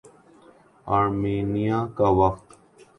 Armenia کا وقت